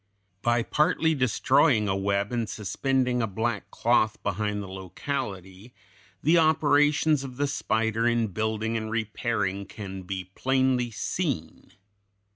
By partly destroying a web and suspending a black cloth behind the locality, the operations of the spider in building and repairing can be plainly seen.